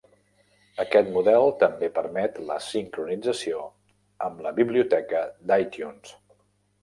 Aquest model també permet la sincronització amb la biblioteca d'iTunes.